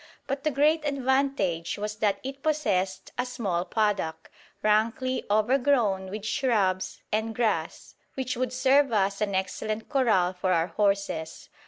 But the great advantage was that it possessed a small paddock, rankly overgrown with shrubs and grass, which would serve as an excellent corral for our horses.